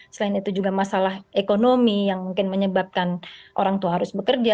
selain itu juga masalah ekonomi yang mungkin menyebabkan orang tua harus bekerja